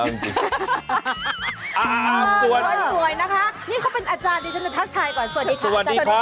คนสวยนะคะนี่เขาเป็นอาจารย์ดิฉันจะทักทายก่อนสวัสดีค่ะอาจารย์สวัสดีค่ะ